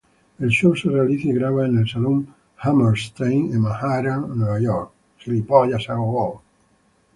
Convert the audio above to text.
El show se realiza y graba en el salón Hammerstein en Manhattan, Nueva York.